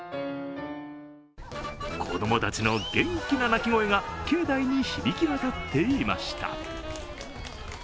子供たちの元気な泣き声が境内に響き渡っていました。